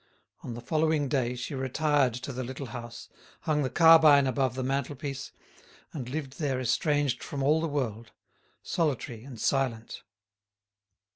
On the following day she retired to the little house, hung the carbine above the mantelpiece, and lived there estranged from all the world, solitary and silent.